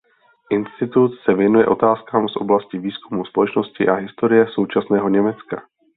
Institut se věnuje otázkám z oblasti výzkumu společnosti a historie současného Německa.